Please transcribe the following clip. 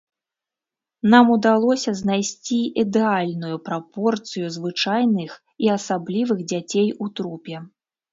Нам удалося знайсці ідэальную прапорцыю звычайных і асаблівых дзяцей у трупе.